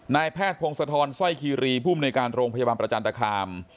นายแพทย์พงศธรสร้อยคีรีภูมิในการโรงพยาบาลประจันตคาม